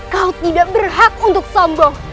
kau tidak berhak untuk sombong